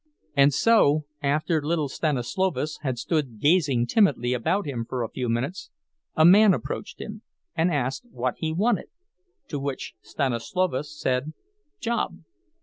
And so, after little Stanislovas had stood gazing timidly about him for a few minutes, a man approached him, and asked what he wanted, to which Stanislovas said, "Job."